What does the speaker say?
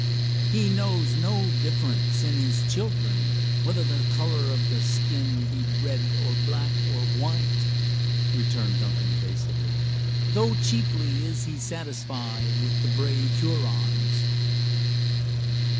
"He knows no difference in his children, whether the color of the skin be red, or black, or white," returned Duncan, evasively; "though chiefly is he satisfied with the brave Hurons."